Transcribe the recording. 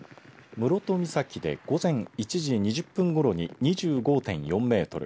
室戸岬で午前１時２０分ごろに２５．４メートル。